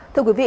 thưa quý vị